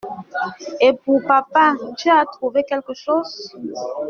Et pour Papa, tu as trouvé quelque chose?